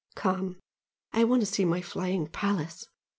Come! I want to see my flying palace!